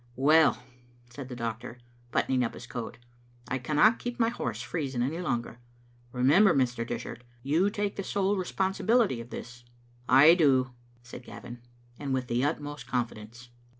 "Well," said the doctor, buttoning up his coat, "I cannot keep my horse freezing any longer. Remem ber, Mr. Dishart, you take the sole responsibility of this. "" I do," said Gavin, " and with the utmost confidence."